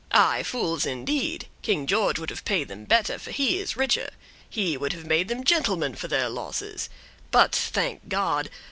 "Aye, fools indeed; King George would have paid them better, for he is richer. He would have made them gentlemen for their losses. But, thank God!